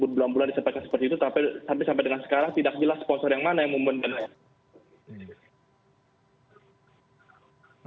belum bulan disampaikan seperti itu tapi sampai dengan sekarang tidak jelas sponsor yang mana yang membenanya